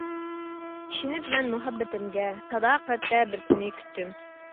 ئىشىنىپ مەن مۇھەببىتىمگە، ساداقەتتە بىر سىنى كۈتتۈم.